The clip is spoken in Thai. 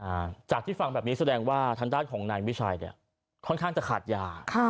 อ่าจากที่ฟังแบบนี้แสดงว่าทางด้านของนายวิชัยเนี้ยค่อนข้างจะขาดยาค่ะ